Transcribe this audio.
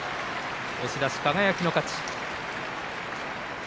押し出し、輝の勝ちです。